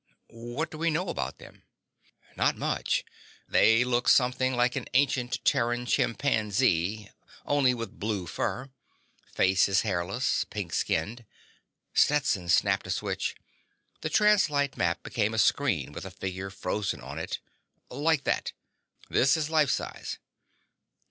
"What do we know about them?" "Not much. They look something like an ancient Terran chimpanzee ... only with blue fur. Face is hairless, pink skinned." Stetson snapped a switch. The translite map became a screen with a figure frozen on it. "Like that. This is life size."